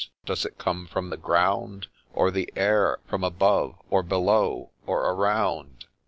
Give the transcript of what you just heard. — Does it come from the ground ? Or the air, — from above, — or below, — or around